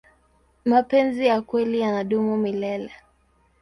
mapenzi ya kweli yanadumu milele